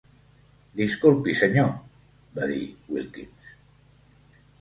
"Disculpi, senyor," va dir Wilkins.